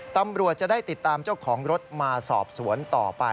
ตำรวจจะได้ติดตามเจ้าของรถมาสอบสวนต่อไป